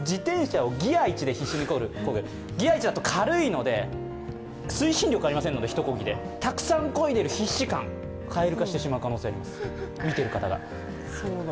ギア１だと軽いので推進力ありませんので、１こぎで、たくさんこいでいる必死感、みている方が蛙化してしまう可能性があります。